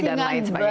dan lain sebagainya